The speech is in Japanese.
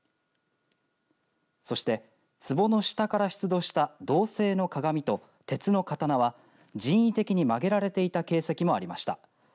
そしてつぼの下から出土した銅製の鏡と鉄の刀は人為的に曲げられていた形跡もありました。